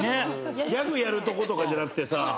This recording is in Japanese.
ギャグやるとことかじゃなくてさ。